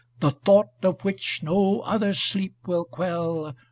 The thought of which no other sleep will quell.